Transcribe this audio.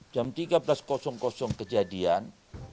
jam tiga belas kejadian